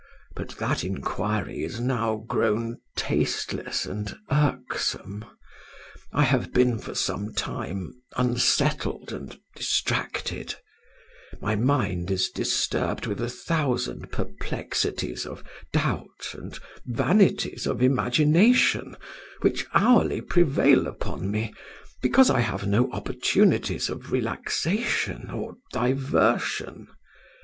But that inquiry is now grown tasteless and irksome. I have been for some time unsettled and distracted: my mind is disturbed with a thousand perplexities of doubt and vanities of imagination, which hourly prevail upon me, because I have no opportunities of relaxation or diversion.